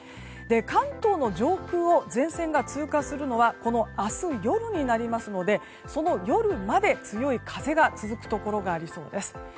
関東の上空を前線が通過するのは明日夜になりますのでその夜まで強い風が続くところがありそうです。